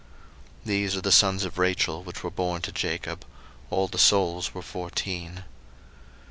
01:046:022 These are the sons of Rachel, which were born to Jacob: all the souls were fourteen.